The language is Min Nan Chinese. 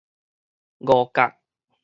五甲